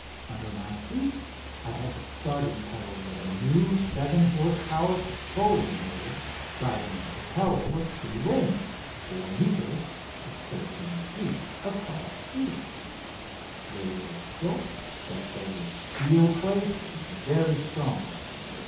Under my feet I had the starting pedals of a new 7 horse power petroleum motor, driving a propeller with two wings 4 metres (13 feet) across each. They were of silk, stretched over steel plates, and very strong.